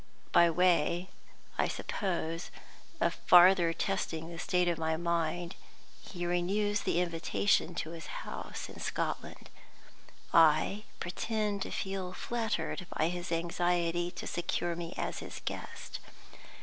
By way (as I suppose) of farther testing the state of my mind, he renews the invitation to his house in Scotland. I pretend to feel flattered by his anxiety to secure me as his guest.